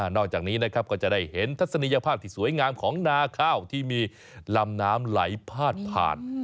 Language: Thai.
นอกจากนี้นะครับก็จะได้เห็นทัศนียภาพที่สวยงามของนาข้าวที่มีลำน้ำไหลพาดผ่าน